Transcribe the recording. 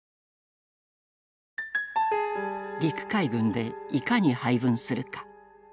陸海軍でいかに配分するか。